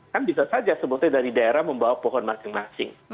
kan bisa saja sebetulnya dari daerah membawa pohon masing masing